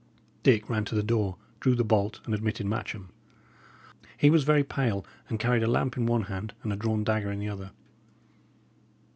Dick ran to the door, drew the bolt, and admitted Matcham. He was very pale, and carried a lamp in one hand and a drawn dagger in the other.